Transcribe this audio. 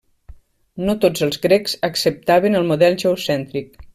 No tots els grecs acceptaven el model geocèntric.